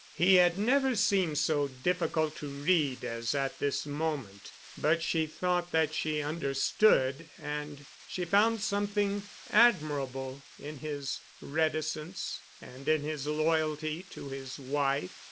He had never seemed so difficult to read as at this moment, but she thought that she understood and she found something admirable in his reticence and in his loyalty to his wife.